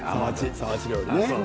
さわち料理ね。